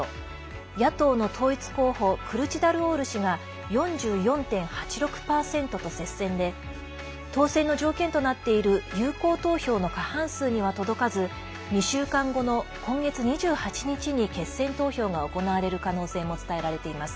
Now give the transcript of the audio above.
野党の統一候補クルチダルオール氏が４４．８６％と接戦で当選の条件となっている有効投票の過半数には届かず２週間後の今月２８日に決選投票が行われる可能性も伝えられています。